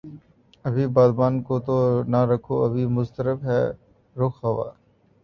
ابھی بادبان کو تہ رکھو ابھی مضطرب ہے رخ ہوا